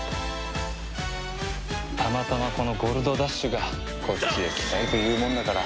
たまたまこのゴルドダッシュがこっちへ来たいと言うもんだから。